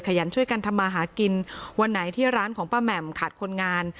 ยันช่วยกันทำมาหากินวันไหนที่ร้านของป้าแหม่มขาดคนงาน